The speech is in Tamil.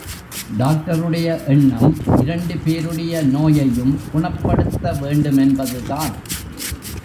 டாக்டருடைய எண்ணம் இரண்டு பேருடைய நோயையும் குணப்படுத்த வேண்டுமென்பதுதான்.